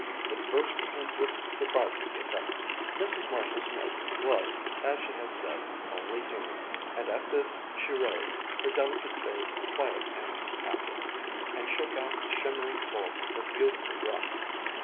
It burst from him with surprising effect. Mrs. Marshall Smith was, as she had said, only human, and at this she rose, her delicate face quiet and impassive, and shook out the shimmering folds of her beautiful dress.